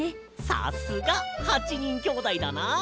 さすが８にんきょうだいだなあ。